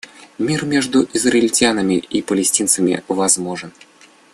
Мир между израильтянами и палестинцами возможен.